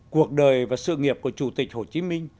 cuộc đời và sự nghiệp của chủ tịch hồ chí minh